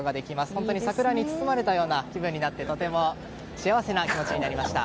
本当に桜に包まれたような気分になってとても幸せな気持ちになりました。